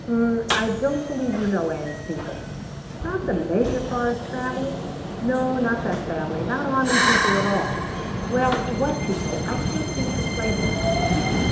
"'Um, I don't believe you know Ann's people." "Not the Major Forrest family?" "No, not that family; not army people at all." "Well, what people? I can't seem to place her."